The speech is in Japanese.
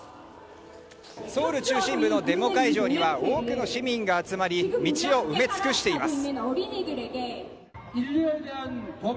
ソウル中心部のデモ会場には多くの市民が集まり道を埋め尽くしています。